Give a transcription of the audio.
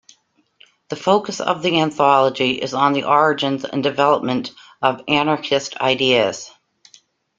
The focus of the anthology is on the origins and development of anarchist ideas.